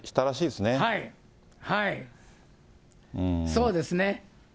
そうですね。